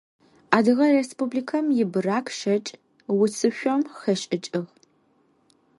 Адыгэ Республикэм и быракъ шэкӏ уцышъом хэшӏыкӏыгъ.